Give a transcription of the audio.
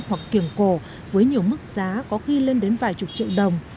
hoặc kiềng cổ với nhiều mức giá có khi lên đến vài chục triệu đồng